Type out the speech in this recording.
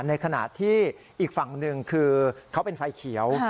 ในขณะที่อีกฝั่งหนึ่งคือเขาเป็นไฟเขียว